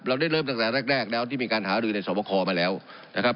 ได้เริ่มตั้งแต่แรกแล้วที่มีการหารือในสอบคอมาแล้วนะครับ